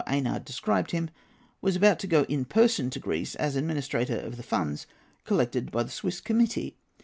Eynard described him, was about to go in person to Greece, as administrator of the funds collected by the Swiss Committee.